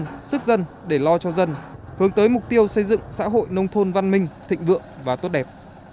dân sức dân để lo cho dân hướng tới mục tiêu xây dựng xã hội nông thôn văn minh thịnh vượng và tốt đẹp